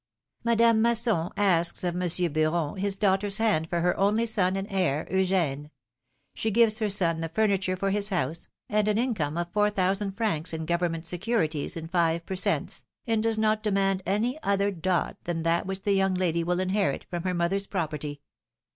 Madame Masson asks of Monsieur Beuron his daugh ter's hand for her only son and heir, Eugene. She gives her son the furniture for his house, and an income of four thousand francs in government securities in five per cents., and does not demand any other dot than that which the young lady will inherit from her mother's property.